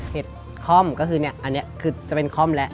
เห็ดค่อมก็คือเนี่ยอันนี้คือจะเป็นค่อมแล้ว